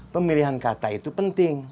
pemilihan kata itu penting